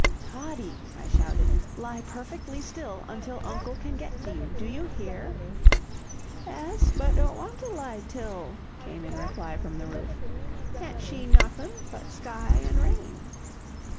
"Toddie," I shouted, "lie perfectly still until uncle can get to you. Do you hear?" "Ess, but don't want to lie 'till," came in reply from the roof. "'Tan't shee noffin' but sky an' rain."